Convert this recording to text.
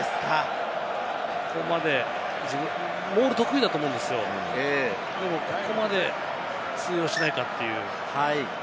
ここまでモール得意だと思うんですよ、でもここまで通用しないかという。